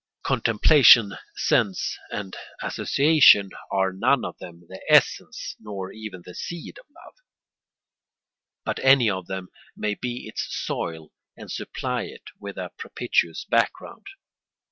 Contemplation, sense, and association are none of them the essence nor even the seed of love; but any of them may be its soil and supply it with a propitious background.